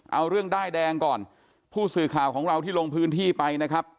เอาเรื่องด้ายแดงก่อนผู้สื่อข่าวของเราที่ลงพื้นที่ไปนะครับ